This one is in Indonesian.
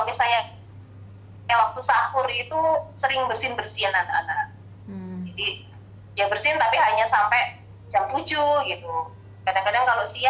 misalnya waktu sahur itu sering bersin bersihin anak anak jadi ya bersihin tapi hanya sampai